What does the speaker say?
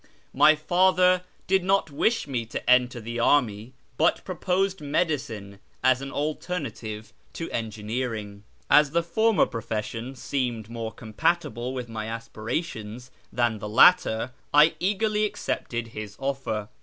My father did not wish me to enter the army, but proposed medicine as an alternative to engineering. As the former profession seemed more compatible with my aspirations than the latter, I eagerly accepted his offer.